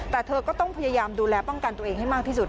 แต่เธอก็ต้องพยายามดูแลป้องกันตัวเองให้มากที่สุด